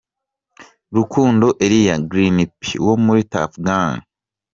Rukundo Eliya: Green P wo muri Tuff Gang.